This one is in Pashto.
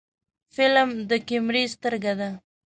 فلم د کیمرې سترګه ده